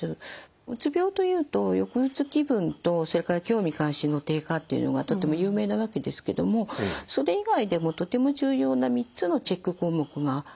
うつ病というと抑うつ気分とそれから興味関心の低下っていうのがとても有名なわけですけどもそれ以外でもとても重要な３つのチェック項目があります。